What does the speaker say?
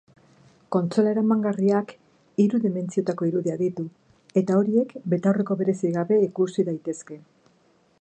Kontsola eramangarriak hiru dimentsiotako irudiak ditu eta horiek betaurreko berezirik gabe ikusi daitezke.